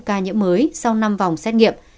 ca nhiễm mới sau năm vòng xét nghiệm